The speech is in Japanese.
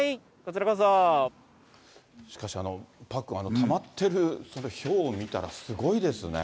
しかし、パックン、たまってるひょうを見たら、すごいですね。